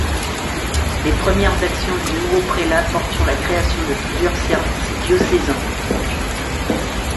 Les premières actions du nouveau prélat portent sur la création de plusieurs services diocésains.